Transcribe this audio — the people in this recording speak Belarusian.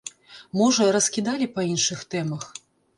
Можа, раскідалі па іншых тэмах.